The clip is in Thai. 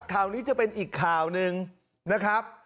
ข่าวนี้จะเป็นอีกข่าวหนึ่งนะครับ